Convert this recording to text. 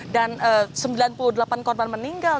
dan sembilan puluh delapan korban meninggal